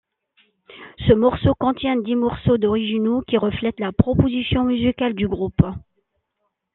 Ce morceau contient dix morceaux originaux, qui reflètent la proposition musicale du groupe.